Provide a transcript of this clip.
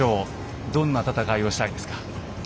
どんな戦いをしたいですか？